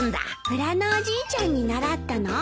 裏のおじいちゃんに習ったの？